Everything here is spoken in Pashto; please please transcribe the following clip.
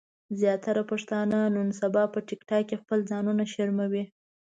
زياتره پښتانۀ نن سبا په ټک ټاک کې خپل ځانونه شرموي